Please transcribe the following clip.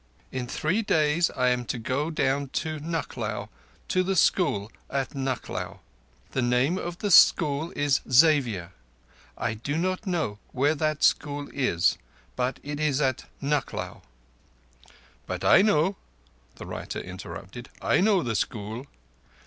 _In three days I am to go down to Nucklao to the school at Nucklao. The name of the school is Xavier. I do not know where that school is, but it is at Nucklao._" "But I know Nucklao," the writer interrupted. "I know the school."